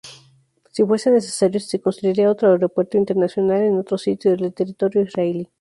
Si fuese necesario, se construiría otro aeropuerto internacional en otro sitio del territorio israelí.